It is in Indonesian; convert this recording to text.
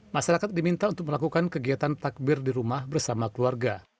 masyarakat diminta untuk melakukan kegiatan takbir di rumah bersama keluarga